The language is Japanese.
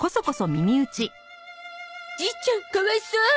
じいちゃんかわいそう。